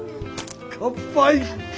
乾杯！